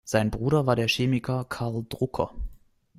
Sein Bruder war der Chemiker Carl Drucker.